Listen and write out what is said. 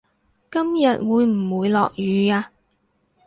今日會唔會落雨呀